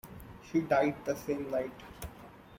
He died the same night.